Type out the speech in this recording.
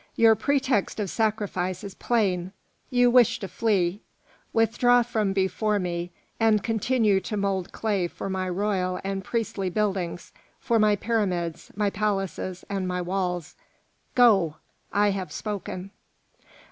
Your pretext of sacrifice is plain, you wish to flee. Withdraw from before me, and continue to mould clay for my royal and priestly buildings, for my pyramids, my palaces, and my walls. Go! I have spoken."